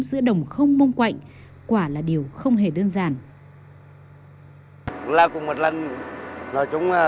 giữa đồng không mông quạnh quả là điều không hề đơn giản